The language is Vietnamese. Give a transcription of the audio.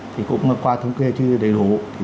thì cũng qua thống kê chưa đầy đủ thì